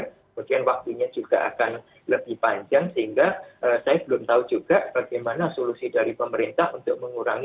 kemudian waktunya juga akan lebih panjang sehingga saya belum tahu juga bagaimana solusi dari pemerintah untuk mengurangi